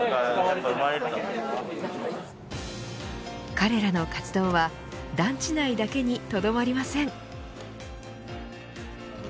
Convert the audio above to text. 彼らの活動は団地内だけにとどまりません。